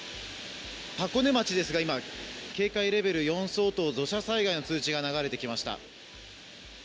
箱根町ですが、今、警戒レベル４相当、土砂災害の通知が流れてきました。